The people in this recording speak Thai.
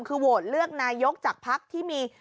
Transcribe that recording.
คือโหวตเลือกนายกจากพักที่มี